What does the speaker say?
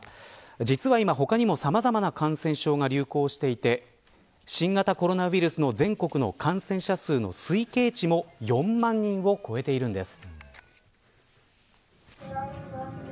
実は今、他にもさまざまな感染症が流行していて新型コロナウイルスの全国の感染者数の推計値も４万人を超えているんです。